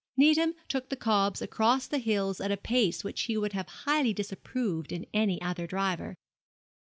Needham took the cobs across the hills at a pace which he would have highly disapproved in any other driver.